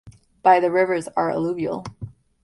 By the rivers are alluvial.